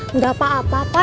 era apa apa tuh